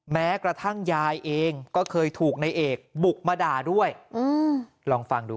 แม้กระทั่งยายเองก็เคยถูกในเอกบุกมาด่าด้วยลองฟังดูค่ะ